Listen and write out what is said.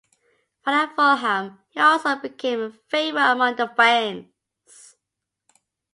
While at Fulham, he also became a favourite among the fans.